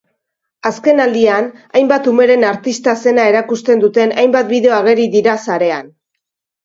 Azkenaldian, hainbat umeren artista sena erakusten duten hainbat bideo ageri dira sarean.